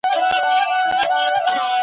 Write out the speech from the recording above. تدريس معلومات وړاندي کوي.